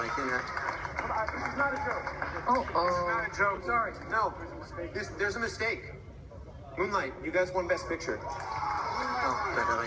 เกิดอะไรขึ้นเหรอแล้วทำไมคุณป้า